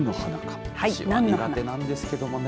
私は苦手なんですけどもね。